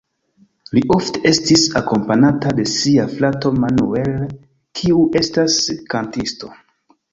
Li ofte estis akompanata de sia frato Manuel, kiu estas kantisto.